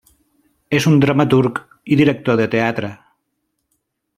És un dramaturg i director de teatre.